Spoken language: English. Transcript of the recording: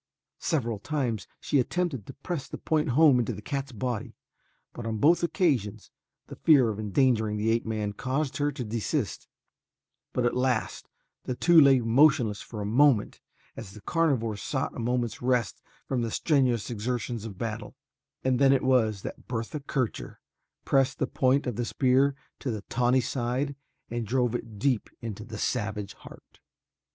Several times she attempted to press the point home into the cat's body, but on both occasions the fear of endangering the ape man caused her to desist, but at last the two lay motionless for a moment as the carnivore sought a moment's rest from the strenuous exertions of battle, and then it was that Bertha Kircher pressed the point of the spear to the tawny side and drove it deep into the savage heart.